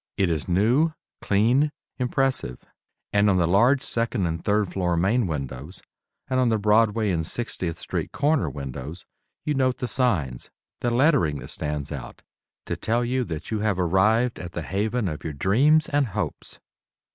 It is new, clean, impressive; and on the large second and third floor main windows, and on the Broadway and 60th Street corner windows, you note the signs, the lettering that stands out, to tell you that you have arrived at the haven of your dreams and hopes.